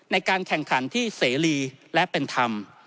ในการแข่งขันที่เสรีและเป็นธรรม